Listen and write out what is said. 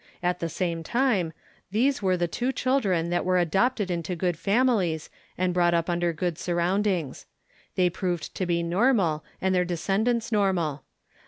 At the same time, these were the two children that were adopted into good families and brought up under good surroundings. They proved to be normal and their descendants normal.